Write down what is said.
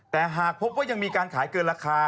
แต่หากพบว่ายังมีการขายเกินราคา